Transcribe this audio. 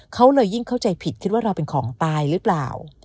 เขาเลยยิ่งเข้าใจผิดคิดว่าเราเป็นของตายหรือเปล่า